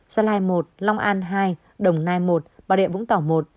gia lai một long an hai đồng nai một bà địa vũng tỏ một